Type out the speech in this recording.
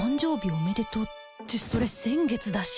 おめでとうってそれ先月だし